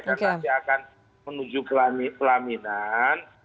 dan nanti akan menuju kelaminan